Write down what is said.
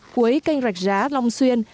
cuối kênh rạch giá long xuyên